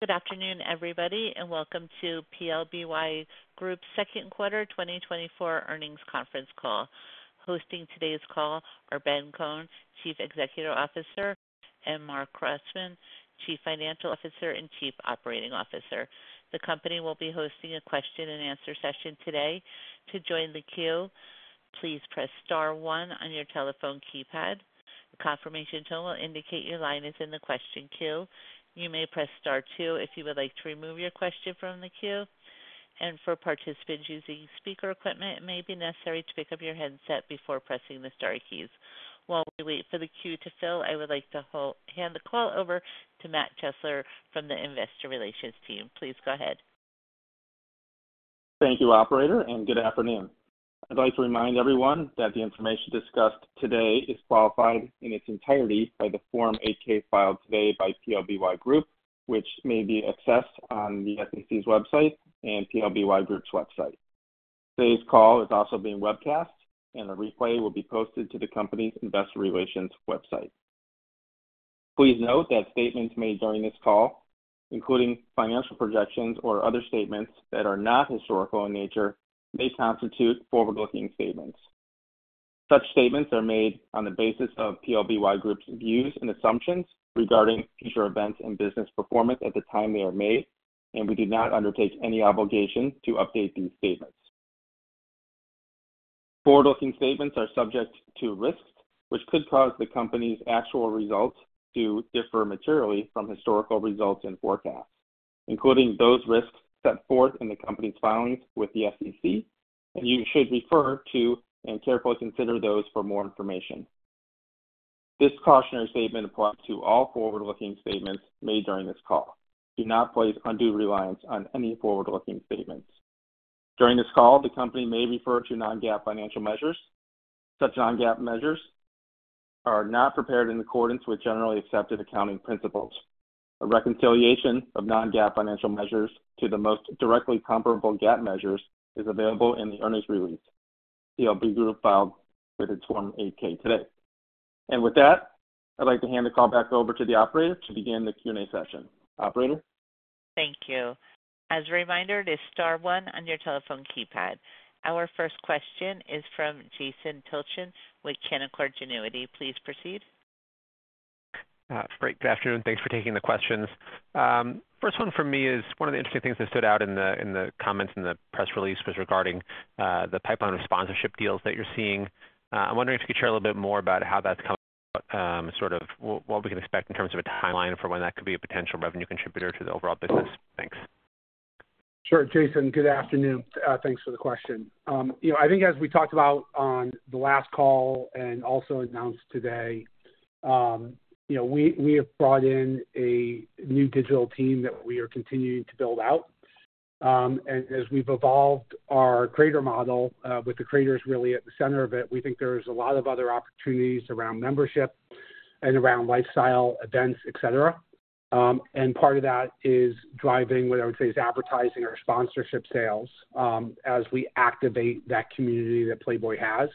Good afternoon, everybody, and welcome to PLBY Group's second quarter 2024 earnings conference call. Hosting today's call are Ben Kohn, Chief Executive Officer, and Marc Crossman, Chief Financial Officer and Chief Operating Officer. The company will be hosting a question-and-answer session today. To join the queue, please press star one on your telephone keypad. A confirmation tone will indicate your line is in the question queue. You may press star two if you would like to remove your question from the queue, and for participants using speaker equipment, it may be necessary to pick up your headset before pressing the star keys. While we wait for the queue to fill, I would like to hand the call over to Matt Chesler from the Investor Relations team. Please go ahead. Thank you, operator, and good afternoon. I'd like to remind everyone that the information discussed today is qualified in its entirety by the Form 8-K filed today by PLBY Group, which may be accessed on the SEC's website and PLBY Group's website. Today's call is also being webcast, and a replay will be posted to the company's investor relations website. Please note that statements made during this call, including financial projections or other statements that are not historical in nature, may constitute forward-looking statements. Such statements are made on the basis of PLBY Group's views and assumptions regarding future events and business performance at the time they are made, and we do not undertake any obligation to update these statements. Forward-looking statements are subject to risks which could cause the company's actual results to differ materially from historical results and forecasts, including those risks set forth in the company's filings with the SEC, and you should refer to and carefully consider those for more information. This cautionary statement applies to all forward-looking statements made during this call. Do not place undue reliance on any forward-looking statements. During this call, the company may refer to Non-GAAP financial measures. Such Non-GAAP measures are not prepared in accordance with generally accepted accounting principles. A reconciliation of Non-GAAP financial measures to the most directly comparable GAAP measures is available in the earnings release PLBY Group filed with its Form 8-K today. With that, I'd like to hand the call back over to the operator to begin the Q&A session. Operator? Thank you. As a reminder, it is star one on your telephone keypad. Our first question is from Jason Tilchen with Canaccord Genuity. Please proceed. Great. Good afternoon. Thanks for taking the questions. First one from me is, one of the interesting things that stood out in the comments in the press release was regarding the pipeline of sponsorship deals that you're seeing. I'm wondering if you could share a little bit more about how that's coming, sort of what we can expect in terms of a timeline for when that could be a potential revenue contributor to the overall business. Thanks. Sure, Jason. Good afternoon. Thanks for the question. You know, I think as we talked about on the last call and also announced today, you know, we, we have brought in a new digital team that we are continuing to build out. And as we've evolved our creator model, with the creators really at the center of it, we think there's a lot of other opportunities around membership and around lifestyle events, et cetera. And part of that is driving what I would say is advertising or sponsorship sales, as we activate that community that Playboy has.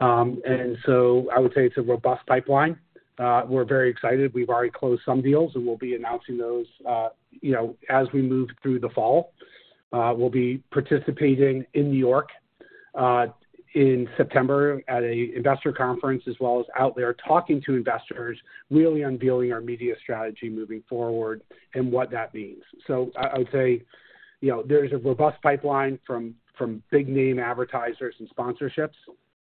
And so I would say it's a robust pipeline. We're very excited. We've already closed some deals, and we'll be announcing those, you know, as we move through the fall. We'll be participating in New York in September at an investor conference, as well as out there talking to investors, really unveiling our media strategy moving forward and what that means. So I would say, you know, there's a robust pipeline from big-name advertisers and sponsorships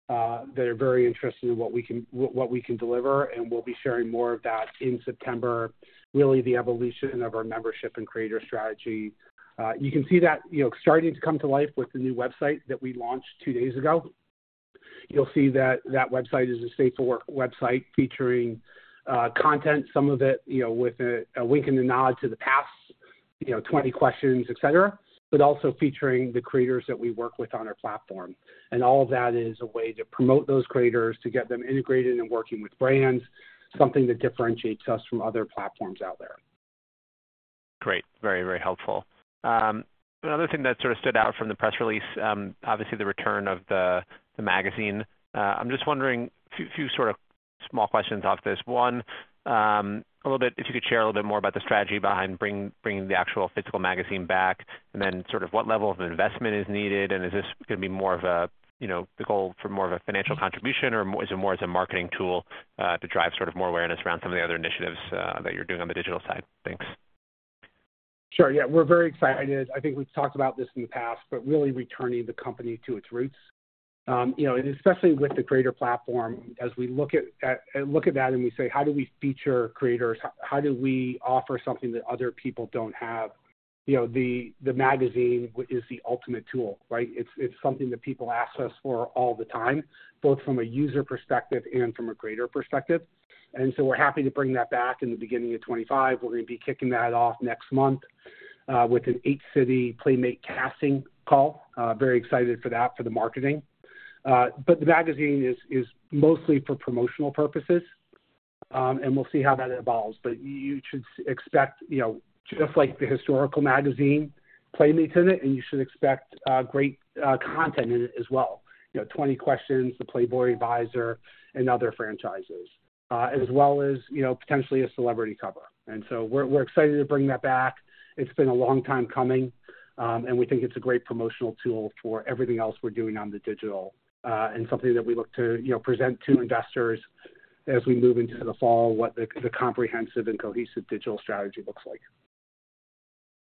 that are very interested in what we can deliver, and we'll be sharing more of that in September, really the evolution of our membership and creator strategy. You can see that, you know, starting to come to life with the new website that we launched two days ago. You'll see that that website is a safe-for-work website featuring content, some of it, you know, with a wink and a nod to the past, you know, 20 Questions, et cetera, but also featuring the creators that we work with on our platform. All of that is a way to promote those creators, to get them integrated and working with brands, something that differentiates us from other platforms out there. Great. Very, very helpful. Another thing that sort of stood out from the press release, obviously the return of the magazine. I'm just wondering, a few sort of small questions off this. One. A little bit... If you could share a little bit more about the strategy behind bringing the actual physical magazine back, and then sort of what level of investment is needed, and is this gonna be more of a, you know, the goal for more of a financial contribution, or is it more as a marketing tool, to drive sort of more awareness around some of the other initiatives, that you're doing on the digital side? Thanks. Sure. Yeah, we're very excited. I think we've talked about this in the past, but really returning the company to its roots. You know, and especially with the creator platform, as we look at that and we say: How do we feature creators? How do we offer something that other people don't have? You know, the magazine is the ultimate tool, right? It's something that people ask us for all the time, both from a user perspective and from a creator perspective. And so we're happy to bring that back in the beginning of 2025. We're going to be kicking that off next month with an 8-city Playmate casting call. Very excited for that, for the marketing. But the magazine is mostly for promotional purposes, and we'll see how that evolves. But you should expect, you know, just like the historical magazine, Playmates in it, and you should expect great content in it as well. You know, 20 Questions, the Playboy Advisor, and other franchises as well as, you know, potentially a celebrity cover. And so we're, we're excited to bring that back. It's been a long time coming, and we think it's a great promotional tool for everything else we're doing on the digital and something that we look to, you know, present to investors as we move into the fall, what the comprehensive and cohesive digital strategy looks like.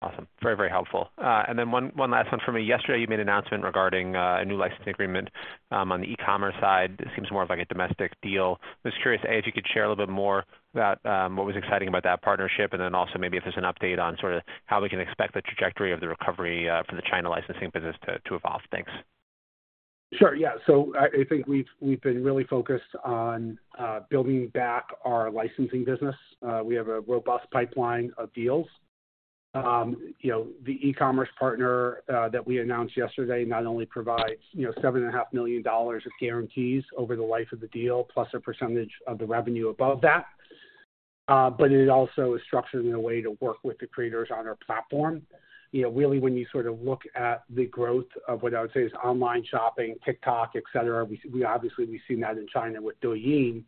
Awesome. Very, very helpful. And then one last one for me. Yesterday, you made an announcement regarding a new licensing agreement on the e-commerce side. It seems more of like a domestic deal. Just curious, A, if you could share a little bit more about what was exciting about that partnership, and then also maybe if there's an update on sort of how we can expect the trajectory of the recovery from the China licensing business to evolve. Thanks. Sure. Yeah. So I think we've been really focused on building back our licensing business. We have a robust pipeline of deals. You know, the e-commerce partner that we announced yesterday not only provides, you know, $7.5 million of guarantees over the life of the deal, plus a percentage of the revenue above that, but it also is structured in a way to work with the creators on our platform. You know, really, when you sort of look at the growth of what I would say is online shopping, TikTok, et cetera, we obviously we've seen that in China with Douyin.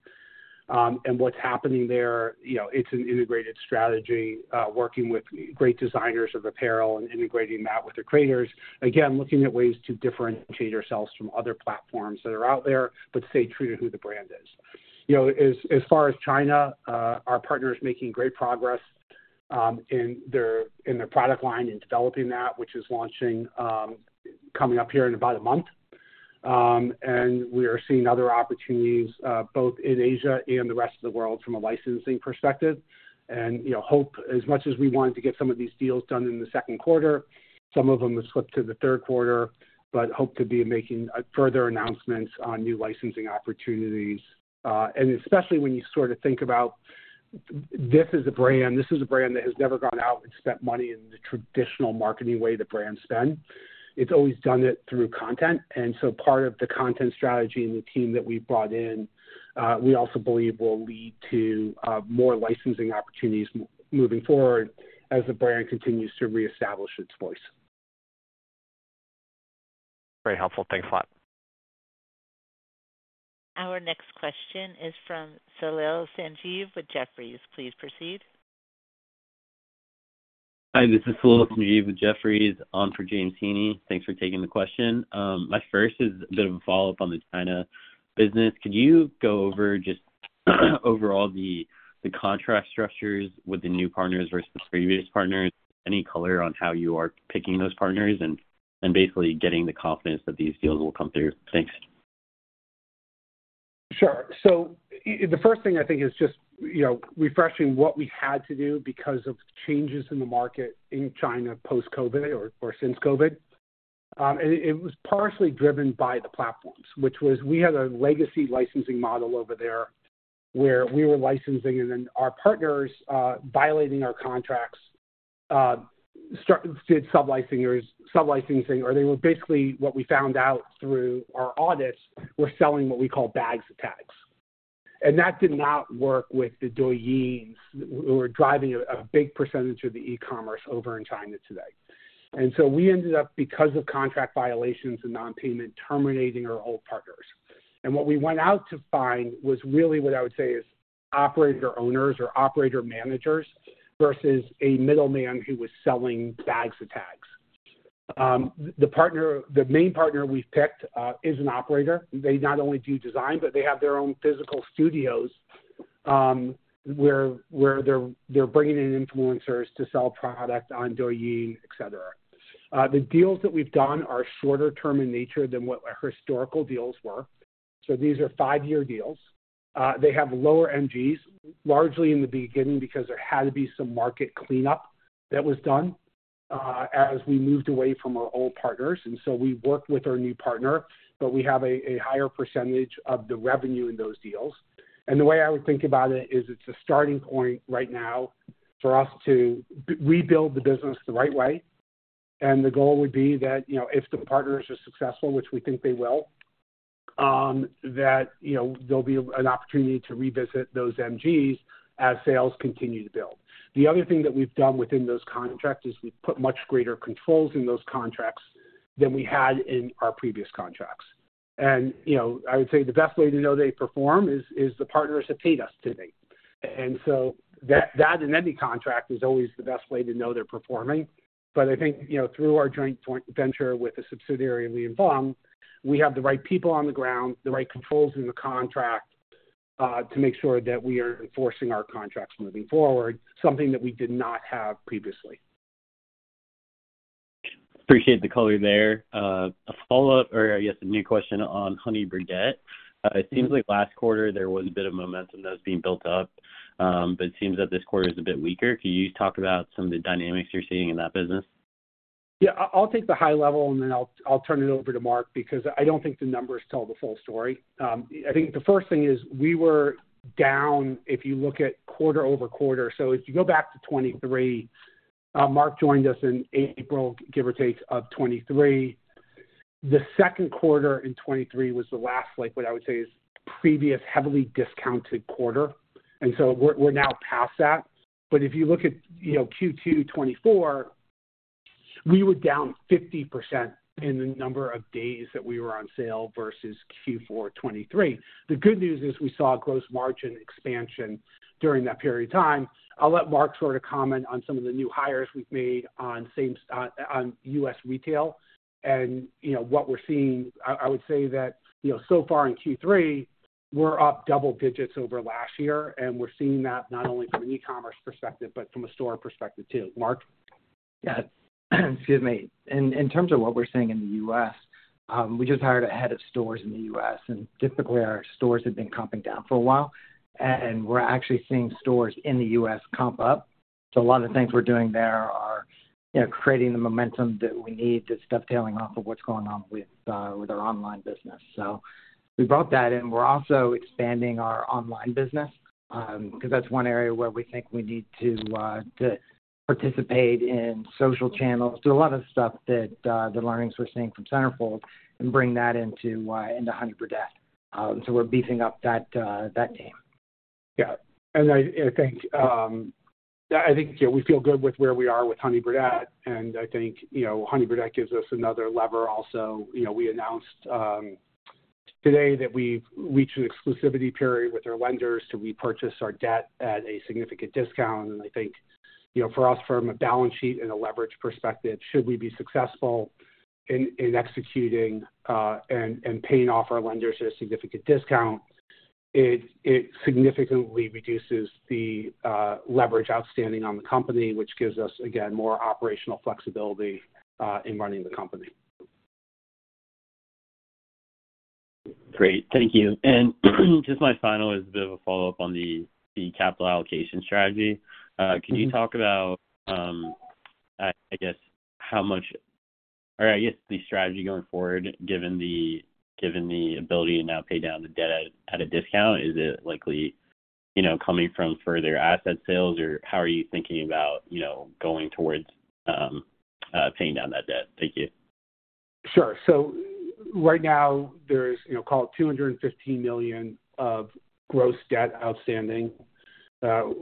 And what's happening there, you know, it's an integrated strategy working with great designers of apparel and integrating that with the creators. Again, looking at ways to differentiate ourselves from other platforms that are out there, but stay true to who the brand is. You know, as far as China, our partner is making great progress in their product line in developing that, which is launching coming up here in about a month. We are seeing other opportunities both in Asia and the rest of the world from a licensing perspective. You know, hope as much as we wanted to get some of these deals done in the second quarter, some of them have slipped to the third quarter, but hope to be making further announcements on new licensing opportunities. And especially when you sort of think about this is a brand, this is a brand that has never gone out and spent money in the traditional marketing way that brands spend. It's always done it through content, and so part of the content strategy and the team that we brought in, we also believe will lead to more licensing opportunities moving forward as the brand continues to reestablish its voice. Very helpful. Thanks a lot. Our next question is from Salil Sanjiv with Jefferies. Please proceed. Hi, this is Salil Sanjiv with Jefferies, on for James Heaney. Thanks for taking the question. My first is a bit of a follow-up on the China business. Could you go over just overall the contract structures with the new partners versus previous partners? Any color on how you are picking those partners and basically getting the confidence that these deals will come through? Thanks. Sure. So the first thing I think is just, you know, refreshing what we had to do because of changes in the market in China, post-COVID or since COVID. And it was partially driven by the platforms, which was we had a legacy licensing model over there where we were licensing and then our partners violating our contracts, sublicensing, or they were basically, what we found out through our audits, were selling what we call bags of tags. And that did not work with the Douyins, who were driving a big percentage of the e-commerce over in China today. And so we ended up, because of contract violations and non-payment, terminating our old partners. What we went out to find was really what I would say is operator owners or operator managers versus a middleman who was selling bags of tags. The partner, the main partner we've picked is an operator. They not only do design, but they have their own physical studios, where they're bringing in influencers to sell product on Douyin, et cetera. The deals that we've done are shorter term in nature than what our historical deals were. So these are 5-year deals. They have lower MGs, largely in the beginning because there had to be some market cleanup that was done, as we moved away from our old partners. And so we worked with our new partner, but we have a higher percentage of the revenue in those deals. The way I would think about it is it's a starting point right now for us to rebuild the business the right way. The goal would be that, you know, if the partners are successful, which we think they will, that, you know, there'll be an opportunity to revisit those MGs as sales continue to build. The other thing that we've done within those contracts is we've put much greater controls in those contracts than we had in our previous contracts. You know, I would say, the best way to know they perform is the partners have paid us to date. So that, that in any contract is always the best way to know they're performing. I think, you know, through our joint venture with a subsidiary of Li & Fung, we have the right people on the ground, the right controls in the contract, to make sure that we are enforcing our contracts moving forward, something that we did not have previously. Appreciate the color there. A follow-up, or I guess, a new question on Honey Birdette. It seems like last quarter there was a bit of momentum that was being built up, but it seems that this quarter is a bit weaker. Can you talk about some of the dynamics you're seeing in that business? Yeah. I'll take the high level, and then I'll turn it over to Marc, because I don't think the numbers tell the full story. I think the first thing is we were down, if you look at quarter-over-quarter. So if you go back to 2023, Marc joined us in April, give or take, of 2023. The second quarter in 2023 was the last, like, what I would say is previous heavily discounted quarter, and so we're now past that. But if you look at, you know, Q2 2024... We were down 50% in the number of days that we were on sale versus Q4 2023. The good news is we saw a gross margin expansion during that period of time. I'll let Marc sort of comment on some of the new hires we've made on same, on U.S. retail. You know, what we're seeing, I would say that, you know, so far in Q3, we're up double digits over last year, and we're seeing that not only from an e-commerce perspective, but from a store perspective too. Marc? Yeah. Excuse me. In terms of what we're seeing in the U.S., we just hired a head of stores in the U.S., and typically our stores have been comping down for a while. And we're actually seeing stores in the U.S. comp up. So a lot of the things we're doing there are, you know, creating the momentum that we need to start tailing off of what's going on with our online business. So we brought that in. We're also expanding our online business, because that's one area where we think we need to participate in social channels. Do a lot of the stuff that the learnings we're seeing from Centerfold and bring that into Honey Birdette. So we're beefing up that team. Yeah. And I think, you know, we feel good with where we are with Honey Birdette, and I think, you know, Honey Birdette gives us another lever also. You know, we announced today that we've reached an exclusivity period with our lenders to repurchase our debt at a significant discount. And I think, you know, for us, from a balance sheet and a leverage perspective, should we be successful in executing and paying off our lenders at a significant discount, it significantly reduces the leverage outstanding on the company, which gives us, again, more operational flexibility in running the company. Great. Thank you. And just my final is a bit of a follow-up on the capital allocation strategy. Can you talk about, I guess, how much... Or I guess, the strategy going forward, given the ability to now pay down the debt at a discount, is it likely, you know, coming from further asset sales, or how are you thinking about, you know, going towards paying down that debt? Thank you. Sure. So right now there's, you know, call it $215 million of gross debt outstanding.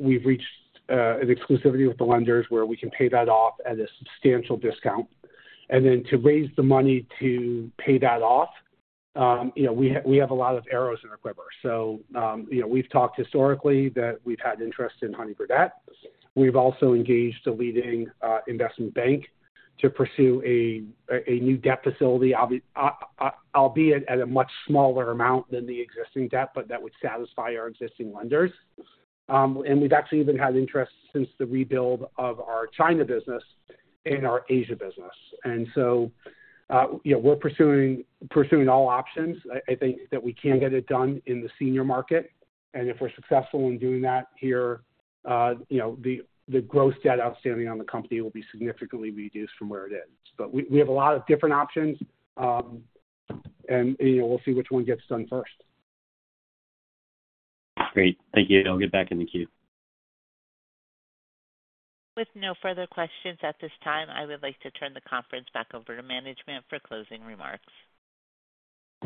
We've reached an exclusivity with the lenders where we can pay that off at a substantial discount. And then to raise the money to pay that off, you know, we have a lot of arrows in our quiver. So, you know, we've talked historically that we've had interest in Honey Birdette. We've also engaged a leading investment bank to pursue a new debt facility, albeit at a much smaller amount than the existing debt, but that would satisfy our existing lenders. And we've actually even had interest since the rebuild of our China business and our Asia business. And so, you know, we're pursuing all options. I think that we can get it done in the senior market, and if we're successful in doing that here, you know, the gross debt outstanding on the company will be significantly reduced from where it is. But we have a lot of different options, and, you know, we'll see which one gets done first. Great. Thank you. I'll get back in the queue. With no further questions at this time, I would like to turn the conference back over to management for closing remarks.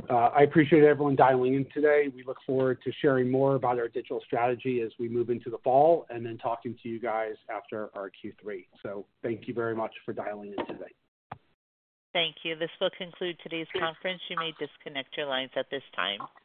I appreciate everyone dialing in today. We look forward to sharing more about our digital strategy as we move into the fall, and then talking to you guys after our Q3. Thank you very much for dialing in today. Thank you. This will conclude today's conference. You may disconnect your lines at this time.